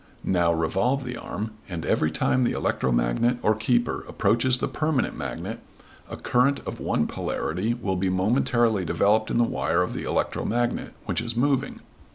Now revolve the arm, and every time the electromagnet or keeper approaches the permanent magnet a current of one polarity will be momentarily developed in the wire of the electromagnet, which is moving.